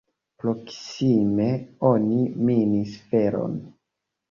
Proksime oni minis feron.